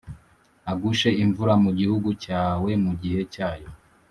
agushe imvura mu gihugu cyawe mu gihe cyayo,